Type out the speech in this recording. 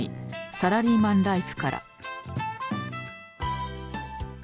「サラリーマンライフ」